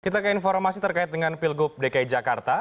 kita ke informasi terkait dengan pilgub dki jakarta